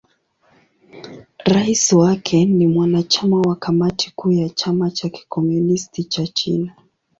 Rais wake ni mwanachama wa Kamati Kuu ya Chama cha Kikomunisti cha China.